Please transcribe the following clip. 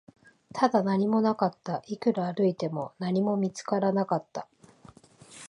ただ、何もなかった、いくら歩いても、何も見つからなかった